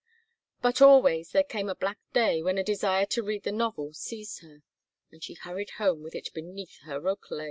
But always there came a black day when a desire to read the novel seized her, and she hurried home with it beneath her rokelay.